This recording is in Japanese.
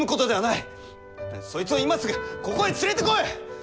そいつを今すぐここへ連れてこい！